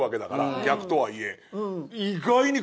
逆とはいえ。